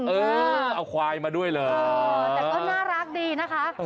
เออเอาควายมาด้วยเลยแต่ก็น่ารักดีนะคะ